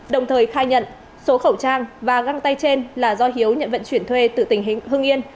đồng thời khai nhận số khẩu trang và găng tay trên là do hiếu nhận vận chuyển thuê từ tỉnh hưng yên